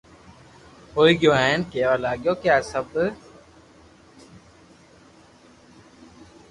ھوئي گيو ھين ڪيوا لاگيو ڪي آ سب